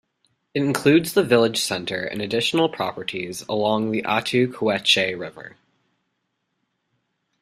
It includes the village center and additional properties along the Ottauquechee River.